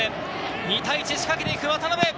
２対１、仕掛けていく、渡辺！